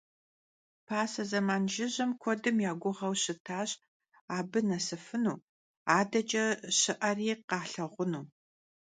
Pase zeman jjıjem kuedım ya guğeu şıtaş abı nesıfınu, adeç'e khışı'eri khalhağunu.